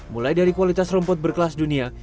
mulai dari kualitas rumput berkelas dunia